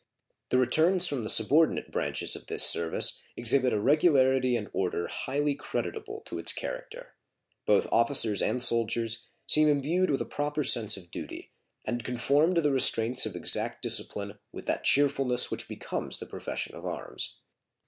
The returns from the subordinate branches of this service exhibit a regularity and order highly creditable to its character. Both officers and soldiers seem imbued with a proper sense of duty, and conform to the restraints of exact discipline with that cheerfulness which becomes the profession of arms.